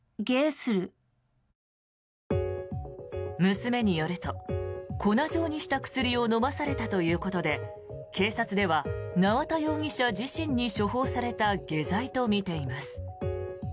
娘によると、粉状にした薬を飲まされたということで警察では縄田容疑者自身に処方された下剤とみています。